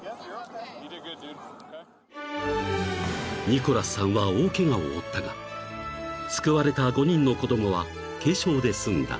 ［ニコラスさんは大ケガを負ったが救われた５人の子供は軽症で済んだ］